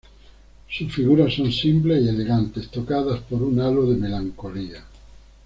Sus figuras son simples y elegantes, tocadas por un halo de melancolía.